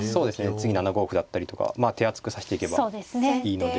次７五歩だったりとかまあ手厚く指していけばいいので。